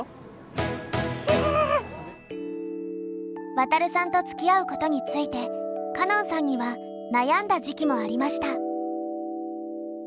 ワタルさんとつきあうことについて歌音さんには悩んだ時期もありました。